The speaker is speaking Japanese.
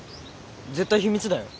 絶対秘密だよ。